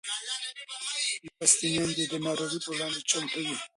لوستې میندې د ناروغۍ پر وړاندې چمتو وي.